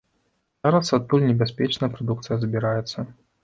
Зараз адтуль небяспечная прадукцыя забіраецца.